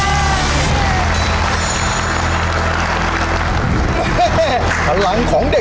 จะทำเวลาไหมครับเนี่ย